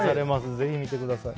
ぜひ見てください。